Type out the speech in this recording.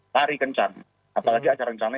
tari kencang apalagi ada rencana